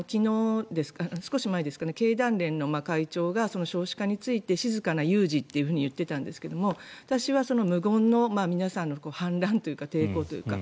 少し前ですかね、経団連の会長が少子化について静かな有事と言っていたんですが私は無言の皆さんの反乱というか抵抗というか。